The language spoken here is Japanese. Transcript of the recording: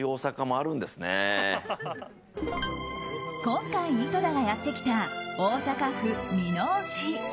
今回、井戸田がやってきた大阪府箕面市。